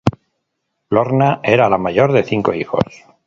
Lorna era la mayor de cinco hijos.